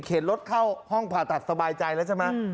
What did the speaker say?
รถเข้าห้องผ่าตัดสบายใจแล้วใช่ไหม